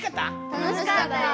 楽しかったです。